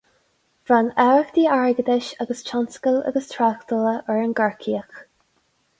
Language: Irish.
Bhronn aireachtaí airgeadais agus tionscail agus tráchtála ar an gCorcaíoch.